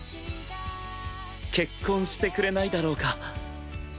結婚してくれないだろうか？